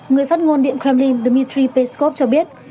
người phát ngôn điện kremlin dmitry peskov cho biết